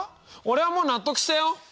俺はもう納得したよ。